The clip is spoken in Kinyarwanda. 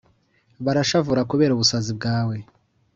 barashavura kubera ubusazi bwawe.